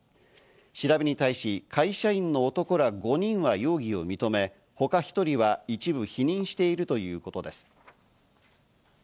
調べに対し、会社員の男ら５人は容疑を認め、他１人は一部否認しているということです。